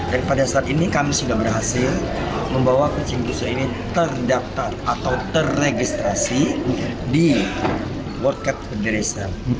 dan pada saat ini kami sudah berhasil membawa kucing busok ini terdaftar atau terregistrasi di world cat federation